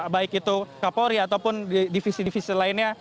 baik itu kapolri ataupun divisi divisi lainnya